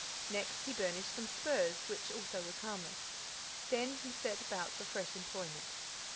Next, he burnished some spurs, which also was harmless. Then he cast about for fresh employment.